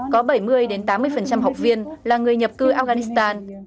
có bảy mươi tám mươi học viên là người nhập cư afghanistan